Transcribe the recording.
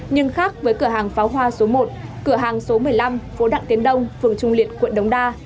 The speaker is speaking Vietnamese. nhưng khác với cửa hàng pháo hoa số một cửa hàng số một mươi năm phố đặng tiến đông phường trung liệt quận đống đa